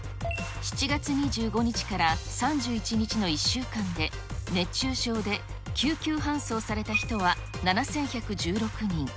７月２５日から３１日の１週間で、熱中症で救急搬送された人は７１１６人。